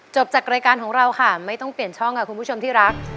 จากรายการของเราค่ะไม่ต้องเปลี่ยนช่องค่ะคุณผู้ชมที่รัก